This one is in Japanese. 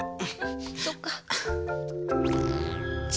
そっか。